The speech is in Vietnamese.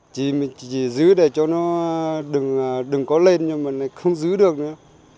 chỉ giữ để cho nó đừng có lên nhưng mà lại không giữ được nữa